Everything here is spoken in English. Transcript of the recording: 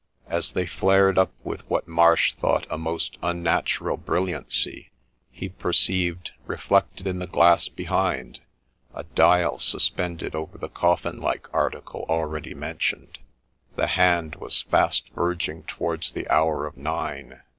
As they flared up with what Marsh thought a most unnatural brilliancy, he perceived, reflected in the glass behind, a dial suspended over the coffin like article already mentioned : the hand was fast verging towards the hour of nine.